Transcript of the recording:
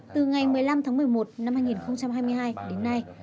từ ngày một mươi năm tháng một mươi một năm hai nghìn hai mươi hai đến nay